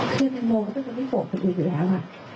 คือแปลงโบก็ต้องเป็นที่โบกันอีกอยู่แล้วอ่ะ